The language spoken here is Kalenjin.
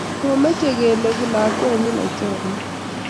komeche koleku lakwenyin laitoriat